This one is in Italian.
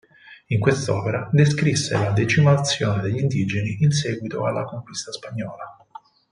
In quest'opera descrisse la decimazione degli indigeni in seguito alla conquista spagnola.